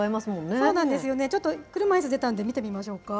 そうなんですよね、ちょっと車いす出たんで見てみましょうか。